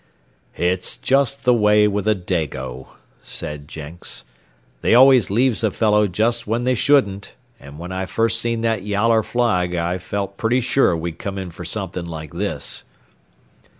"It's just the way with a Dago," said Jenks. "They always leaves a fellow just when they shouldn't, and when I first seen that yaller flag I felt pretty sure we'd come in fer somethin' like this."